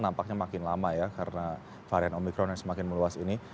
nampaknya makin lama ya karena varian omikron yang semakin meluas ini